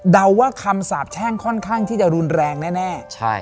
ว่าคำสาบแช่งค่อนข้างที่จะรุนแรงแน่